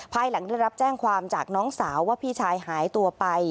ภายหลังได้รับแจ้งความจากน้องสาวว่าพี่ชายหายตัวไป